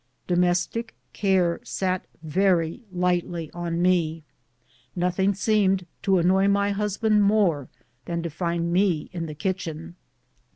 Domestic care sat very lightly on me. Nothing seemed to annoy my husband more than to find me in the kitchen.